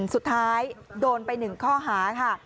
สุดท้ายโดนไป๑ข้อหาค่ะ